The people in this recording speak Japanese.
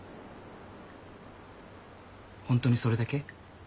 ホントにそれだけ？